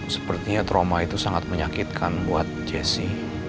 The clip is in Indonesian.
sepertinya trauma itu sangat menyakitkan buat jesse